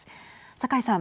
酒井さん